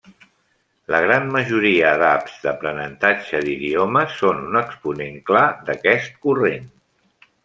La gran majoria d'apps d'aprenentatge d'idiomes són un exponent clar d'aquest corrent.